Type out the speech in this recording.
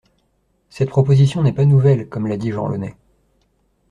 Cette proposition n’est pas nouvelle, comme l’a dit Jean Launay.